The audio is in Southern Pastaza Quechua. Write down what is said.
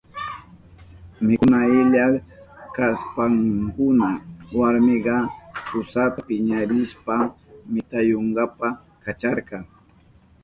Mikuna illa kashpankuna warminka kusanta piñarishpan mitayunanpa kacharka.